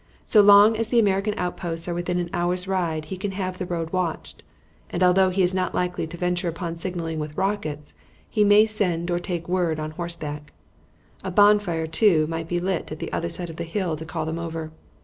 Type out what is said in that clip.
So long as the American outposts are within an hour's ride he can have the road watched; and, although he is not likely to venture upon signaling with rockets, he may send or take word on horseback. A bonfire, too, might be lit at the other side of the hill to call them over.